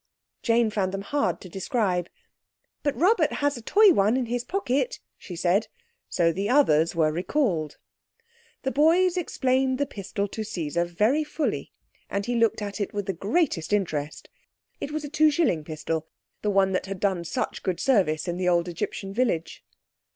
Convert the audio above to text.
Jane found them hard to describe. "But Robert has a toy one in his pocket," she said. So the others were recalled. The boys explained the pistol to Caesar very fully, and he looked at it with the greatest interest. It was a two shilling pistol, the one that had done such good service in the old Egyptian village.